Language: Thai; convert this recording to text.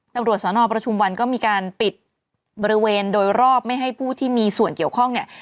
ตำรวจสนประชุมวันก็มีการปิดบริเวณโดยรอบไม่ให้ผู้ที่มีส่วนเกี่ยวข้องเนี่ย